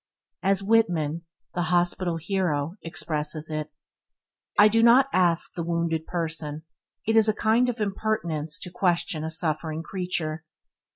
As Whitman, the hospital hero, expresses it – "I do not ask the wounded person." It is a kind of impertinence to question a suffering creature.